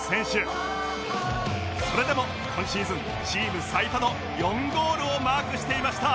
それでも今シーズンチーム最多の４ゴールをマークしていました